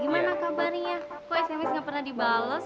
gimana kabarnya kok sms gak pernah dibales